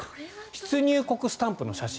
出入国スタンプの写真。